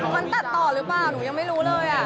มันตัดต่อหรือเปล่าหนูยังไม่รู้เลย